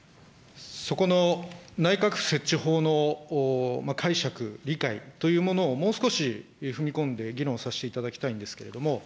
そこの内閣府設置法の解釈、理解というものをもう少し踏み込んで議論させていただきたいんですけれども。